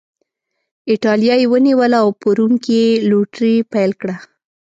اېټالیا یې ونیوله او په روم کې یې لوټري پیل کړه.